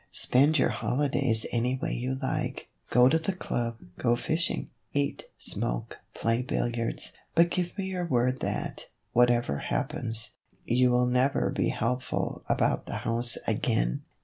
Spend your holidays any way you like. Go to the club, go fishing, eat, smoke, play billiards, but give me your word that, whatever happens, you will never be helpful about the house again